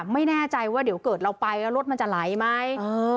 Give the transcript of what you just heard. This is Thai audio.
ไม่แน่ใจว่าเดี๋ยวเกิดเราไปแล้วรถมันจะไหลไหม